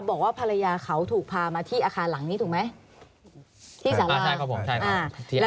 บอกว่าภรรยาเขาถูกพามาที่อาคารหลังนี้ถูกไหมที่สาราใช่ครับผมใช่ครับ